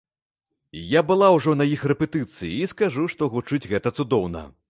Я была ўжо на іх рэпетыцыі і скажу, што гучыць гэта цудоўна.